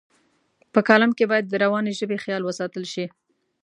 په کالم کې باید د روانې ژبې خیال وساتل شي.